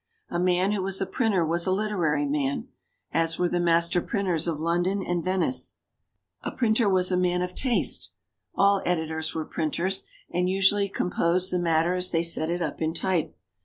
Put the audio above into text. A man who was a printer was a literary man, as were the master printers of London and Venice. A printer was a man of taste. All editors were printers, and usually composed the matter as they set it up in type.